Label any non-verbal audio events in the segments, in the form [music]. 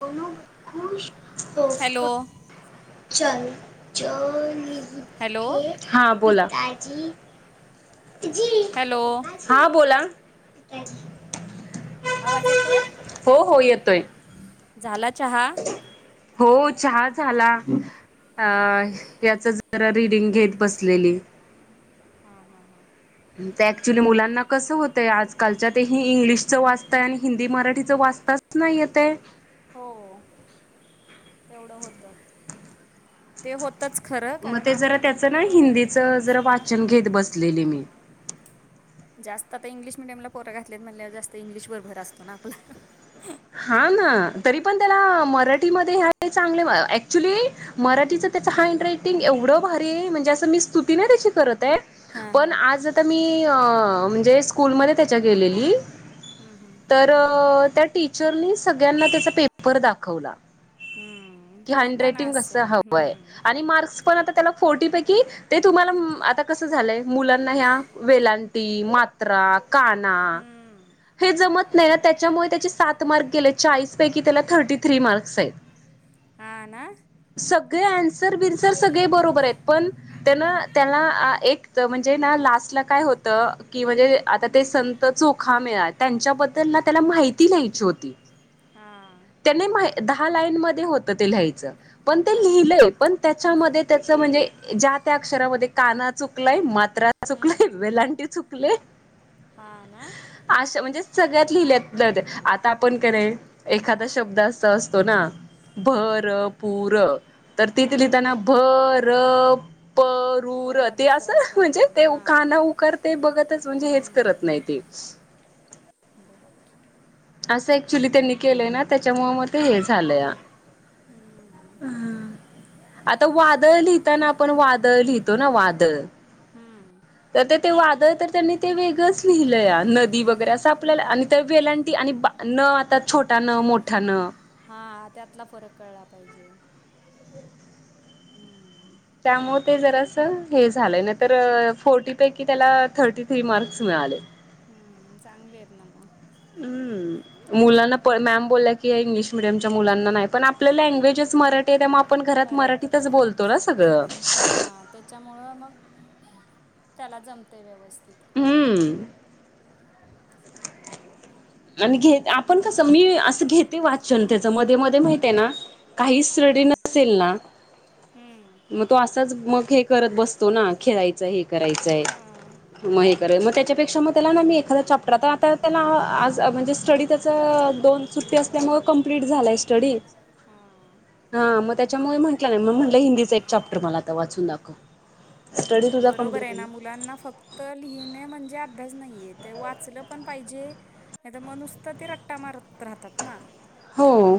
धोनु खुश हॅलो [unintelligible] चलच्या नि हॅलो हा बोला हॅलो हा बोला आवाज येतोय हो हो येतोय झाला चहा हो चहा झाला हा त्याच जरा रीडिंग घेत बसलेले हा हा हा ते ऍक्च्युली मुलांना कसं होतंय आजकालच्या ते ह इंग्लिश -च वाचताय आणि हिंदी मराठीचं वाचताच नाही येतेय. हो तेवढं होतं ते होत -तच खरं मग कारण ते जरा आपण त्याचं फक्त ना हे हिंदीच करत जरा असतो ना. वाचन घेत बसलेले मी जास्त आता इंग्लिश मिडियमला पोरं घातलेत म्हणल्यावर जास्त इंग्लिश वर भर असतो ना आपला हा ना तरी पण त्याला मराठीमध्ये ह्यावेळी चांगले ऍक्च्युली मराठीच त्याच हँड रायटिंग एवढं भारी आहे म्हणजे असं मी स्तुतीने नाही त्याची करत आहे हां हां. पण आज आता मी म्हणजे- स्कूलमध्ये त्याच्या गेलेली तर त्या टिचरनी सगळ्यांना त्याचा पेपर दाखवला हम्म. की हँड होतं ना रायटिंग कसं असं हवंय हम्म आणि मार्क्स पण आता त्याला फोर्टी पैकी. ते तुम्हाला आता कसं झालंय मुलांना ह्या वेलांटी मा. त्रा काना हम्म. हे जमत नाही त्याच्यामुळे त्याची सा- त मार्क गेले चाळीस पैकी त्याला थर्टी थ्री मार्क्स आहेत. हा.. ना सगळे आन्सर -बिन्सर सगळे बरोबर आहेत पण त्या.. न त्याना आ.. एक म्हणजे ना लास्टला काय होत.. की म्हणजे आता ते स चोखामिळा त्यांच्याबद्दल ना त्याला माहिती लिहायची होती. हा त्याने मा.. दहा लाईन मध्ये होत ते लिहायच पण ते हां हां हां लिहिले.. पण त्याच्यामध्ये त्याच म्हणजे ए.. ज्या -त्या अक्षरामध्ये काना चुकलय मात मात्रा चुकलय.. हम्म. वेलांटी चुकलेय. हां ना अशा.. म्हणजे सगळ्यात लिहलेत जाऊ दे आता पण कन एखादा शब्द अस असतो ना भ र पुू र तर तिथे लिहिताना हां भ र प पु र पहिला ते असं दुसरा उकार म्हणजे पाहिजे ते हां काना, ऊकार ते बघतच म्हणजे हेच करत नाही ते. बराबर असं ऍक्च्युली त्यांनी केलंय ना त्याच्यामुळे म ते हे झालंय. हम्म ह्.. आता वादळ लिहताना आपण वादळ लिहितो ना वादळ हम्म. तर ते वादळ तर त्यांनी ते वेगळंच लिहलंया, नदी वगैरे असं आपल्याला आणि वेलांटी आणि बा.. न आता छोटा न मोठा न हा त्यातला फरक कळला पाहिजे. [inaudible] त्यामुळे ते जर असं हे झालंय नाई तर फोर्टीपैकी त्याला थर्टी थ्री मार्क्स मिळाले. हम्.. चांगली आहेत ना मग हम्म.. मुलांना प.. मॅम बोलल्या की इंग्लिश मिडियमच्या मुलांना नाही पण आपलं लँग्वेजच मराठी ते टाईम आपण घरात मराठी मराठीतच बोलतो ना सगळं. च्यामुळं मग.. त्याला जमतय व्यवस्थित हम्म ह्म्म्म आणि घेत.. आपण कसं मी असं घेते वाचन त्याच मध्ये मध्ये माहित आहे ना.. काहीस रीडिंग नसेल ना.... हम्म मग तो असाच मग हे करत बसतो ना खेळायचय हे करायचय.. हा मग हे मग त्याच्यापेक्षा मग त्याला मी एखादा चाप्टर आता त्याला आ.. आज म्हणजे स्टडी त्याचं अ.. दोन सुट्टी असल्यामुळं कंप्लीट झालंय स्टडी हा.. मग त्याच्यामुळे म्हटलं नाही मग म्हटलं हिंदीचा एक चॅप्टर मला आता वाचून दाखव. स्टडी तुझा बरोबर कंप्लीट केला? आहेना मुलांना फक्त तर लिहिणे म्हणजे अभ्यास नाहीय.. ते वाचलं पण पाहिजे. नाही तर नुसत ते रट्टा मारत राहतात ना हो..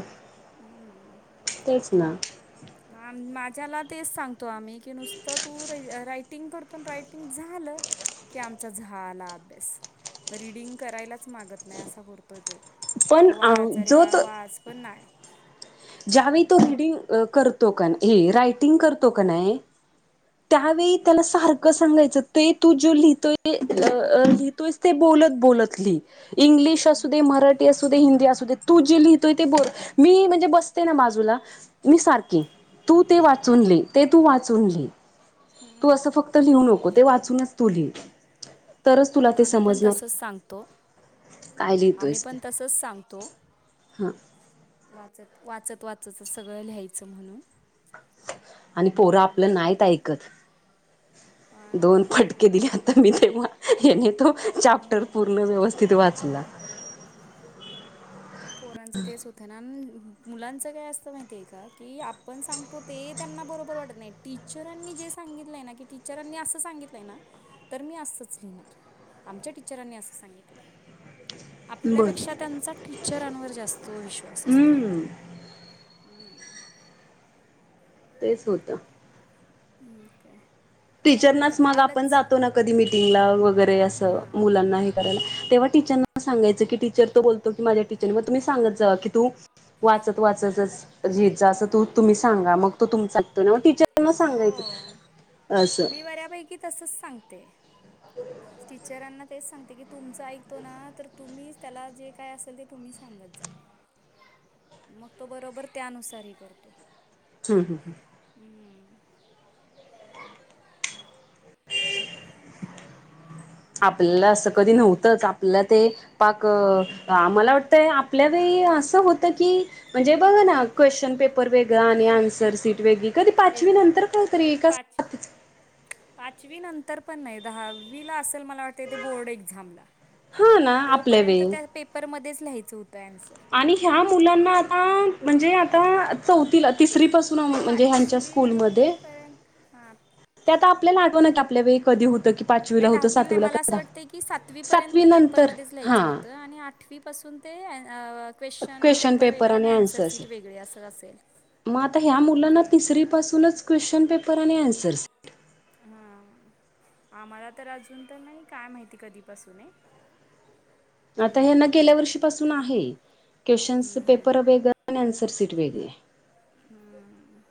तेच ना माझ्याला तेच सांगतो आम्ही.. की नुसतं तू रा.. रायटिंग कर. पण रायटिंग झालं- की आमचा झा.. ला अभ्यास रीडिंग करायलाच मागत नाही असा करतोय तो. पण मग वाच.. अरे जो बाळा तो वाच.. पण नाही. ज्यावेळी तो रीडिंग अ.. करतो का.. हे रायटिंग करतो का नाय. त्यावेळी त्याला सारखं सांगायचं ते.. तू.. जो.. अ.. लिहितोय. लिहतोयस ते बोलत बोलत लिहि इंग्लिश असुदे मराठी असुदे हिंदी असुदे. तू जे लिहितोय ते बोल मी म्हणेज बसते ना बाजूला मी सारखी तू ते वाचून लिह ते तू वाचून लिह हम्म अस फक्त लिहू नको ते वाचूनच तु लिह हा मी पण तसच सांगतो काय आम्ही लिहितोयस ते पण तसच सांगतो हा वाचत वाचत वाचतच सगळं लिहायचं म्हणून आणि पोर आपलं नाहीत ऐकत हो ना दोन फट फटके दिले तर मी तेव्हा याने तो चाप्टर पूर्ण व्यवस्थित वाचला. [inaudible] पोरांचं तेच होतं ना मुलांच काय असतं माहिती आहे का की आपण सांगतो. ते त्यांना बरोबर वाटत नाही टीचरांनी जे सांगितलंय ना की टीचरांनी असं सांगितलंय ना तर मी असच लिहिणार आमच्या टीचरांनी असं सांगितलंय बरं. आपल्यापेक्षा त्यांचा टीचरांवर जास्त विश्वास असतो हम्म. हम्म. तेच होतं मग काय आता टीचरनाच मग आपण कालच जातो ना कधी मिटिंगला व वगैरे असं हां मुलांना हे करायला तेव्हा टीचरना सांगायचं की टीचर तो बोलतो की माझ्या टीचर मग तुम्ही सांगत जावा की तू वाचत वाचतच. लिहीत जा असं तू तुम्ही सांगा मग तो तुमच एकतो मग टीचरना सांगायच. हो मी बऱ्यापैकी तसच सांगते टीचराना तेच सांगते की तुमचं ऐकतो ना तर तुम्हीच त्याला जे काय असेल ते तुम्ही सांगत जा मग तो बरोबर त्यानुसार हे करतो. हम्म हम्म. हम्म [unintelligible] आपल्याला असं कधी नव्हतंच आपल्याला ते पाक आ मला वाटतय आपल्या वेळी असं होतं की म्हणजे बघा ना क्वेश्चन पेपर वेगळा आणि आन्सर सीट वेगळी कधी पाचवी वेगळे नंतर कळत रे एकाच पाच पाचवी नंतर पण नाही दहावी ला असेल मला वाटत ते ते बोर्ड एक्सामला हा ना आपल्या तोपर्यंत वेळी त्या पेपरमध्येच लिहायचं होतं आन्सर आणि ह्या मुलांना आता म्हणजे आता चौथीला तिसरी पासून नाही म्हणजे ह्यांनच्या स्कूल मध्ये पाचवीपर्यंत हां ते आता आपल्याला आठवणा की आपल्या वेळी कधी हुत की पाचवीला नाही होतं दहावी नाही सातवीला मला असं क वाटतंय की सातवी पर्यंत नंतर पेपरमध्येच लिहायचं हा होतं आणि आठवी पासून ते क्वेशन पेपर वेगळा आणि आन्सर सीट वेगळी असं असेल मग आता ह्या मुलांना हम्म तिसरीपासूनच क्वेश्चन पेपर आणि आन्सर्स हा आम्हाला तर अजून तर नाही काय माहिती कधीपासून आहे पण आता हे ना अजून तर गेल्या नाही वर्षी पाासून आहे क्वेश्चन्स पेपर वेगळं आणि आन्सर शीट वेगळी हम्म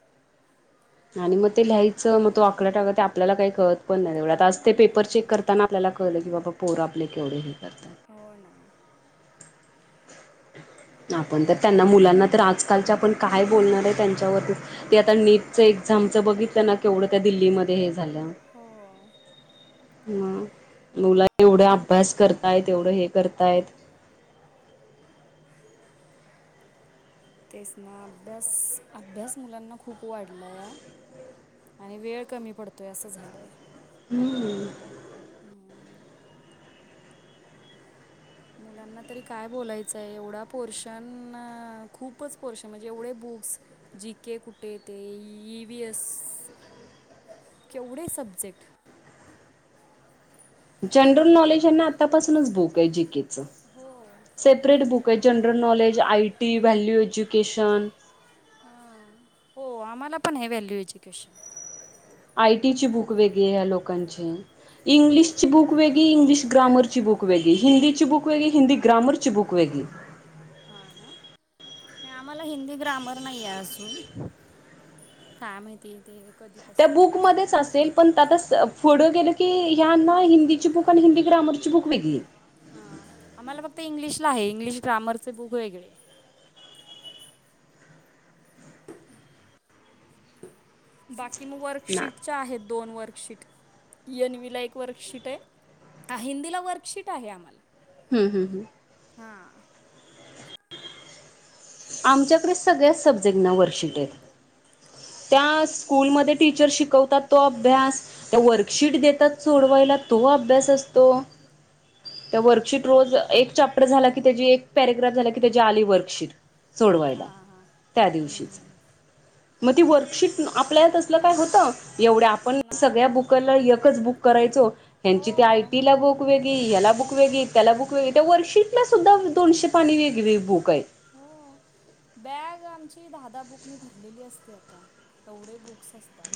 आणि मग ते लिहायचं मग तो आकडा टाका आपल्याला काही कळत पण नाही तेवढं आज ते पेपर हां चेक ना करताना आपल्याला कळलं की बाबा पोरं आपले केवढे हे लिहितात. हो ना आपण तर त्यांना मुलांना तर आजकालच्या आपण काय बोलणार आहे त्यांच्यावरती. ते आता नीटच्या एक्झामचं बघितलं ना केवढं त्या दिल्लीमध्ये हे. झाल. हो हा मुलां. ऐवढा अभ्यास करतायत एवढं हे करतायत. तेच ना अभ्यास अभ्यास मुलांना खूप वाढलाय. आणि वेळ कमी पडतोय असं झालंय. हम्म हम्म. मुलांना तरी काय बोलायचंय एवढा पोर्शन खूपच पोर्शन म्हणजे एवढे बुक्स. जी के कुठे ते ई व्ही एस. केवढे सब्जेक्ट जनरल नॉलेज यांना आतापासूनच बुक आहे जी. के सेपरेट बुक आहे. General knowledge I. T, value education. हो आमाला पण आहे व्हॅल्यू एज्युकेशन. आय टी ची बुक वेगळी या लोकांची इंग्लिशच बुक. वेगळी इंगलिश ग्रारची बुक वेगळी हिंदची बुक वेगळी हिंद ग्रामरची बुक वेगळी हा ना नाही आम्हाला हिंदी ग्रामर नाही आहे अजून काय माहिती ये त्या बुकमध्येच असेल. म्हणता तस पुढ गेल की ह्यांना हिंदीची बुक आणि हिंदी ग्रॅमरची बुक वेगळी. हा आम्हाला फक्त इंग्लिशला आहे इंग्लिश ग्रामरच बुक वेगळ आहे. बाकी मग ना वर्कशीटच्या आहेत दोन वर्कशीट येनवी ला एक वर्कशीट आहे हिंदीला वर्कशीट आहे आम्हाला हम् हम् हम. हा आमच्याकडे सगळ्याच सब्जेक्टना वर्शिट आहेत. त्या स्कूलमध्ये टीचर शिकवतात तो अभ्यास. त्या वर्कशीट देतात सोडवायला, तो अभ्यास असतो. त्या वर्कशीट हां रोज, ना एक चॅप्टर झाला की, त्याची एक पॅरेग्राफ झाला की, त्याची आली वर्कशीट. सोडवायला हां हां त्या दिवशीच. मग ती वर्कशीट आपल्याला तसलं काय होतं, एवढ्या आपण नाही सगळ्या ना बुकाला एकच बुक करायचो. हो ह्यांची ती आयटी ला बुक बुक वेगळी, याला बुक वेगळी, त्याला बुक वेगळी, त्या वर्कशीटला सुद्धा दोनशे पाणी वेगळी वेगळी बुक आहे. हो. बॅग आमची दहा-दहा बुकनी भरलेली असते, आता एवढे बुक्स असतात.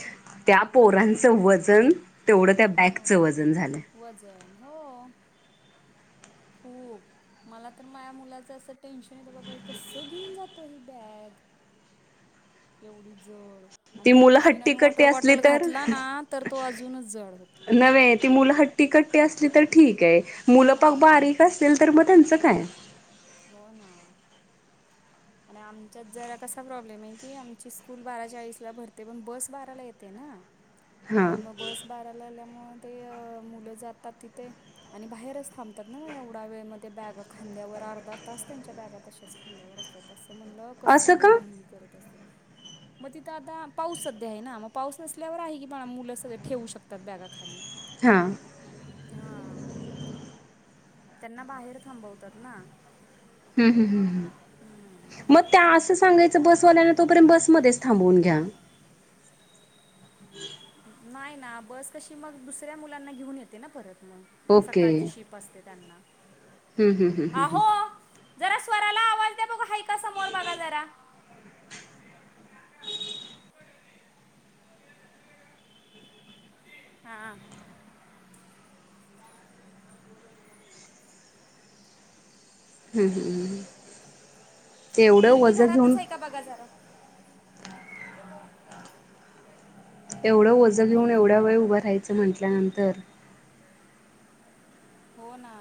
त्या आणि पोरांचं वजन तेवढं त्या हो बॅकचं वजन झालंय. वजन हो. पू मला तर माझ्या मुलाचं असं टेन्शन येत. बाबा, हे कसं घेऊन जातो ही बॅग. एवढी जड. आणि ती त्यात मुलं टिफिन आणि हट्टीकट्टी वॉटर असली बॉटल तर घातला ना, तर तो अजूनच जड होतो. नव्हे ती मुलं हट्टी कट्टी असली तर ठीक आहे, मुलं पार हा. बारीक असेल तर मग त्यांचं काय? हो ना. आणि आमच्यात जरा कसा प्रॉब्लेम आहे की, आमची स्कूल बारा चाळीसला भरते पण बस बाराला येते ना. [unintelligible] हा आणि मग बस बाराला आल्यामुळे ते मुलं जातात तिथे आणि बाहेरच थांब तात ना मग एवढ्या वेळ, मग त्या बॅग खांद्यावर अर्धा तास त्यांच्या बॅग तशाच खांद्यावर असतात. तर तसं म्हणलं कस असं का मुलं ही करत असतील. मग तिथं आता पाऊस सध्या आहे ना, मग पाऊस नसल्यावर आहे की बाळ मुलं सध्या ठेवू शकतात बॅगा खाली. [unintelligible] हां. हा त्यांना बाहेर थांबवतात ना. हम् हम् हम्म हम् मग त्या असं सांगायचं. बसवाल्यांने तोपर्यंत बसमध्येच थांबवून घ्या. नाही ना बस कशी मग, दुसऱ्या मुलांना घेऊन येते ना परत मग ओके सकाळची शिफ्ट [inaudible] असते त्यांना. हम् हम्म हं. आहो जरा स्वराला आवाज द्या बघू, हाय का समोर बघा जरा. हा. [unintelligible] हम् तेवढं पुरगी वजन घरातच घेऊन. आहे का बघा जरा. [inaudible] एवढं ओजं घेऊन, एवढ्या वेळ उभं राहायचं म्हटल्यानंतर. हो ना,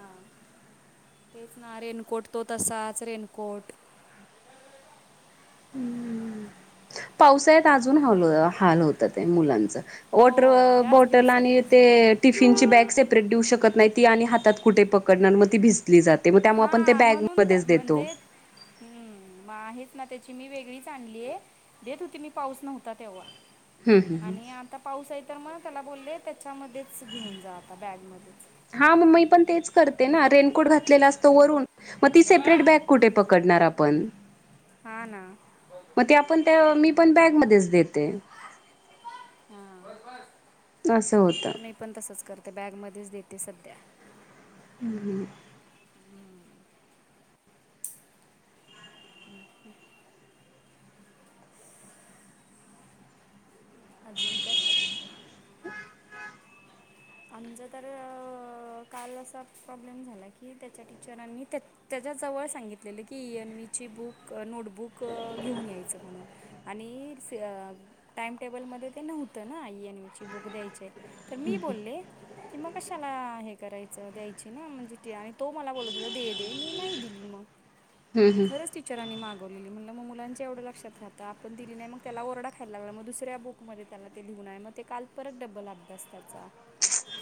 तेच ना, रेनकोट तो तसाच रेनकोट.. पावसाळ्यात अजून हाल होतात मुलांचे. हो वॉटर ह्याच बॉटल दिवसात आणि आणि तेच ते. ना टिफिनची बॅग सेपरेट देऊ शकत नाही, ती आणि हातात कुठे पकडणार मग ती भिजली जाते. मग त्यामुळे आपण ते हा म्हणून त्या बॅगमध्येच देतो म्हणजे. हम्म मग आहेच ना तेची मी, वेगळीच आणलीय देत होती मी पाऊस नव्हता तेव्हा. हम्म हम्म आणि आता पाऊस आहे तर मग त्याला बोलले, त्याच्यामध्येच घेऊन जा आता बॅगमध्येच. हा मग मी पण तेच करते ना रेनकोट घातलेला असतो वरून, मग ती सेपरेट बॅग कुठे पकडणार आपण. हां ना मग ते आपण, त्या मी पण बॅग मध्येच देते. [unintelligible] हा बस बस असं होतं. मी पण तसंच करते, बॅगमध्येच देते सध्या. हम्. हं ह. [inaudible] अजून काय? आमचं तर काल असा प्रॉब्लेम झाला की, त्याच्या टीचरांनी त्या त्याच्या जवळ सांगितलेलं की यांनवी ची बुक नोटबुक घेऊन यायचं म्हणून. आणि अस टाइम टेबलमध्ये ते नव्हतं ना एन यूची बुक द्यायचे तर. मी बोलले. कि मग कशाला हे करायचं द्यायची ना, म्हणजे आणि तो मला बोलत होता दे दे मी नाही दिली मग. हम्म आणि हम्म खरंच ति टीचर आणि मागवलेली म्हटलं, मग मुलांच्या एवढं लक्षात राहतं आपण दिली नाही मग त्याला ओरडा खायला लागला, मग दुसऱ्या बुकमध्ये त्याला ते लिहून आहे, मग ते काल परत डबल अभ्यास त्याचा.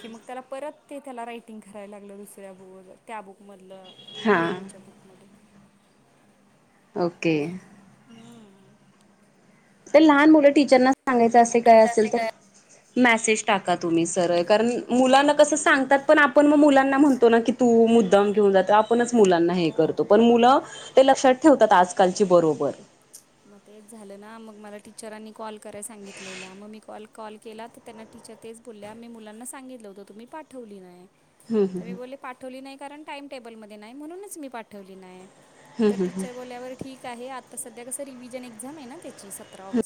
कि मग त्याला परत ते त्याला रायटिंग करायला लागलं दुसऱ्या बुक त्या बुकमधलं. हा ई एन वीच्या बुकमध्ये. ओके. हम्म. तर लहान मुलं टीचरना सांगायचं, असे काय असेल तर. मॅसेज टाका तुम्ही सरळ कारण हो मुलांना कसं सांगतात. पण आपण मग मुलांना म्हणतो ना की तू मुद्दाम घेऊन जातो आपणच मुलांना हे करतो हो पण मुलं ते लक्षात ठेवतात आजकालची बरोबर मग तेच झालं ना, मग मला टीचरांनी कॉल कराय सांगितलेल मग मी कल.. कॉल केला तर त्यांना टीचर तेच बोलल्या मी मुलांना सांगितलं होतं तुम्ही पाठवली नाय. हम्म. तर मी बोलले पाठवली नाही कारण टाइम टेबल मध्ये नाही म्हणूनच मी पाठवली नाय. तर टीचर बोल्याबल बर ठीक आहे आता सध्या कसं रिव्हिजन एक्झाम आहे ना त्याची सतरा ऑगस्ट